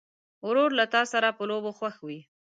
ورور له تا سره په لوبو خوښ وي.